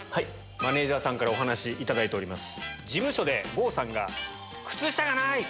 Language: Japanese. マネジャーさんからお話頂いております。